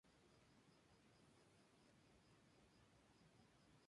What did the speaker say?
El padre como "Bruto", y Charles como "Tito".